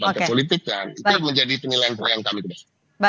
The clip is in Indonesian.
dan itu menjadi penilaian terakhir yang kami kembali